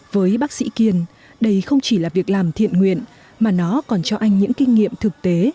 với bác sĩ kiên đây không chỉ là việc làm thiện nguyện mà nó còn cho anh những kinh nghiệm thực tế